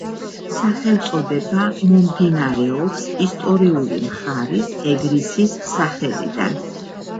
სახელწოდება მომდინარეობს ისტორიული მხარის ეგრისის სახელიდან.